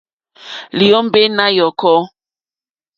Lyǒmɛ̀ nà yɔ̀kɔ́.